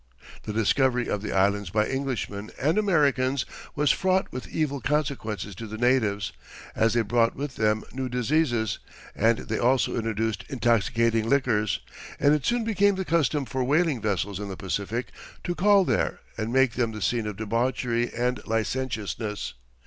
The discovery of the Islands by Englishmen and Americans was fraught with evil consequences to the natives, as they brought with them new diseases, and they also introduced intoxicating liquors, and it soon became the custom for whaling vessels in the Pacific to call there and make them the scene of debauchery and licentiousness.